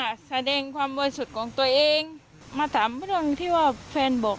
แสดงความบริสุทธิ์ของตัวเองมาถามเรื่องที่ว่าแฟนบอก